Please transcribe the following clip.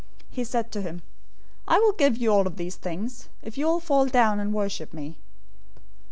004:009 He said to him, "I will give you all of these things, if you will fall down and worship me."